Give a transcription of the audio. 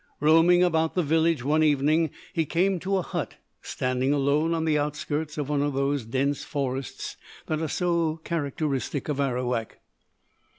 Roaming about the village one evening, he came to a hut standing alone on the outskirts of one of those dense forests that are so characteristic of Arawak.